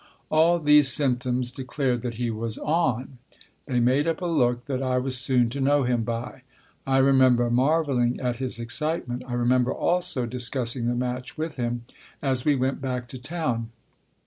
All these symptoms declared that he was "on." They made up a look that I was soon to know him by. I remember marvelling at his excitement. I remember also discussing the match with him as we went back to town.